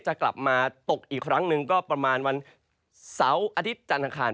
จะกลับมาตกอีกครั้งหนึ่งก็ประมาณวันเสาร์อาทิตย์จันทร์อังคาร